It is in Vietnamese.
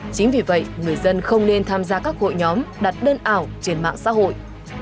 chính vì vậy người dân không nên tham gia các hội nhóm đặt đơn ảo trên mạng xã hội